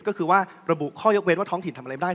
ก็คือว่าระบุข้อยกเว้นว่าท้องถิ่นทำอะไรไม่ได้